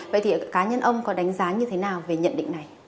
vậy thì cá nhân ông có đánh giá như thế nào về nhận định này